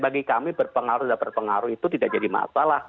bagi kami berpengaruh dan berpengaruh itu tidak jadi masalah